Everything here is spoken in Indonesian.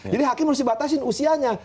jadi hakim harus dibatasin usianya